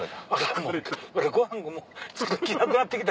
ごはん作る気なくなって来た。